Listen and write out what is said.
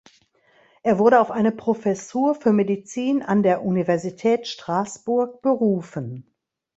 Er wurde auf eine Professur für Medizin an der Universität Straßburg berufen.